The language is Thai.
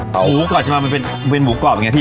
หมูก่อนจะมามันเป็นหมูกรอบอย่างนี้พี่